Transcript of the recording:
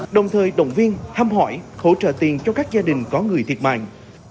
đồng thời động viên thăm hỏi hỗ trợ tiền cho các gia đình có người thiệt mạng